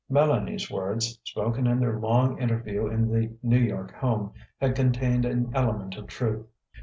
Mélanie's words, spoken in their long interview in the New York home, had contained an element of truth.